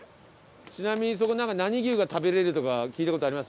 ちなみにそこ何牛が食べられるとか聞いた事あります？